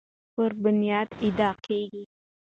پر بنیاد ادعا کیږي